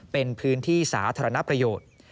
เป็นพื้นที่สาธารณประโยชน์